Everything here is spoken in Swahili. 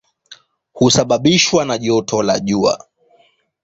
Husababishwa na joto la jua.